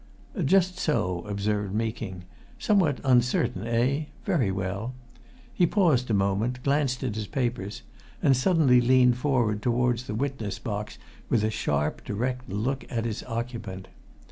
"Just so," observed Meeking. "Somewhat uncertain, eh? Very well." He paused a moment, glanced at his papers, and suddenly leaned forward towards the witness box with a sharp, direct look at its occupant.